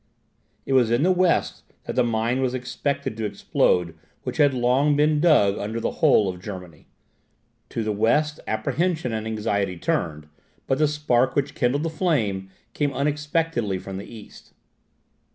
It was in the west that the mine was expected to explode which had long been dug under the whole of Germany. To the west, apprehension and anxiety turned; but the spark which kindled the flame came unexpectedly from the east.